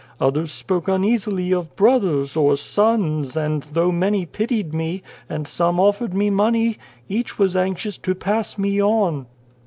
Others spoke uneasily of * brothers ' or ' sons/ and though many pitied me, and some offered me money, each was anxious to pass me on.